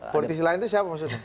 politisi lain itu siapa maksudnya